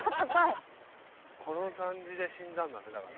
この感じで死んだんだねだから。